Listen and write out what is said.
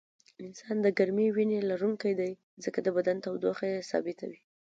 انسان د ګرمې وینې لرونکی دی ځکه د بدن تودوخه یې ثابته وي